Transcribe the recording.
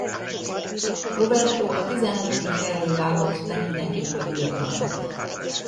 Roberto a tizenhetedik helyről vágott neki neki a viadalnak.